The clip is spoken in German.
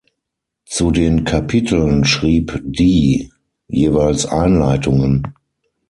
Zu den Kapiteln schrieb Dee jeweils Einleitungen.